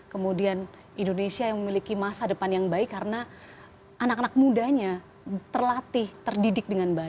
kemudian indonesia yang memiliki masa depan yang baik karena anak anak mudanya terlatih terdidik dengan baik